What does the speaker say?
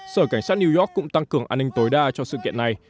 sở cảnh sát new york cũng tăng cường an ninh tối đa cho sự kiện này